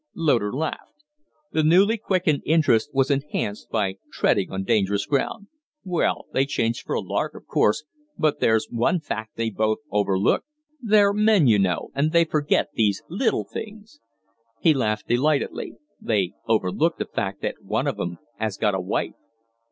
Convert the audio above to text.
Loder laughed. The newly quickened interest was enhanced by treading on dangerous ground. "Well, they change for a lark, of course, but there's one fact they both overlook. They're men, you know, and they forget these little things!" He laughed delightedly. "They overlook the fact that one of 'em has got a wife!"